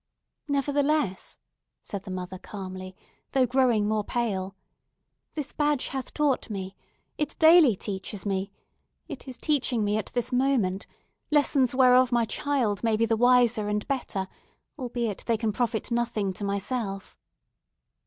"Nevertheless," said the mother, calmly, though growing more pale, "this badge hath taught me—it daily teaches me—it is teaching me at this moment—lessons whereof my child may be the wiser and better, albeit they can profit nothing to myself."